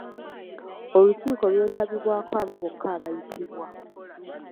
Olukiiko lwetabibwako abo bokka abayitibwa.